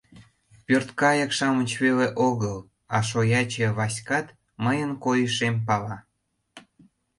Пӧрткайык-шамыч веле огыл, а шояче Васькат мыйын койышем пала.